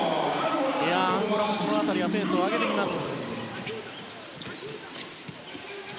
アンゴラも、この辺りはペースを上げてきます。